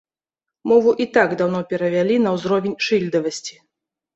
Мову і так даўно перавялі на ўзровень шыльдавасці.